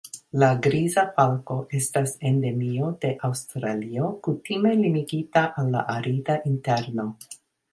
La Griza falko estas endemio de Aŭstralio, kutime limigita al la arida interno.